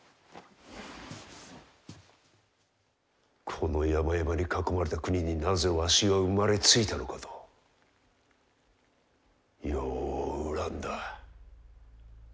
この山々に囲まれた国になぜわしは生まれついたのかとよう恨んだ。